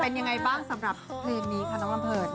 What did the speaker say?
เป็นยังไงบ้างสำหรับเพลงนี้ค่ะน้องลำเพลิน